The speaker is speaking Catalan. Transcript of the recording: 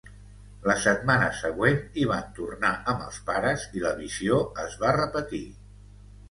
La setmana següent hi van tornar amb els pares i la visió es va repetir.